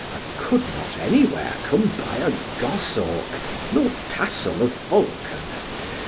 I could not anywhere come by a goshawk nor tassel of falcon.